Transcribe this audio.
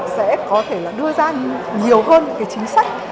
sẽ có thể là đưa ra nhiều hơn những cái chính sách